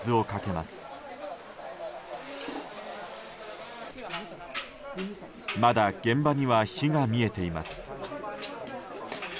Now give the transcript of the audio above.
まだ現場には火が見えています。